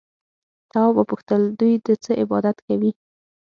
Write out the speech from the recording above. تواب وپوښتل دوی د څه عبادت کوي؟